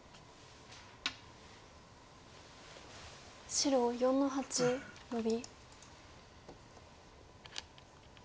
白４の八ノビ。